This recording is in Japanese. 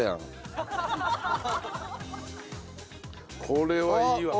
これはいいわ。